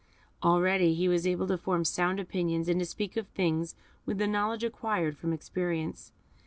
Already he was able to form sound opinions, and to speak of things with the knowledge acquired from experience.